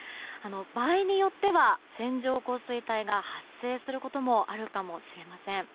場合によっては線状降水帯が発生することもあるかもしれません。